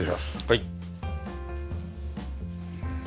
はい。